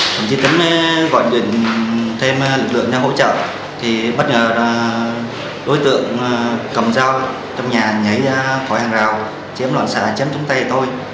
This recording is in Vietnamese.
đồng chí tính gọi điện thêm lực lượng để hỗ trợ bất ngờ đối tượng cầm dao trong nhà nhảy ra khỏi hàng rào chém loạn xà chém trúng tay tôi